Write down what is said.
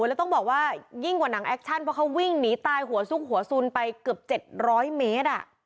แล้วต้องบอกว่ายิ่งกว่าหนังแอคชั่นเพราะเขาวิ่งหนีตายหัวซุกหัวสุนไปเกือบ๗๐๐เมตร